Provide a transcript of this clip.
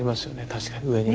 確かに上に。